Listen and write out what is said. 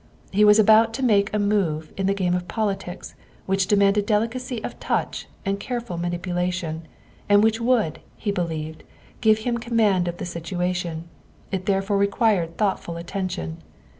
He was about to make a move in the game of politics which demanded delicacy of touch and careful manipulation, and which would, he believed, give him command of the situation; it therefore required thoughtful attention.